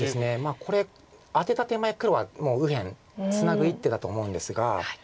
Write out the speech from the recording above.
これアテた手前黒はもう右辺ツナぐ一手だと思うんですが。